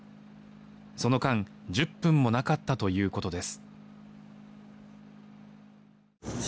その間、１０分もなかったということです。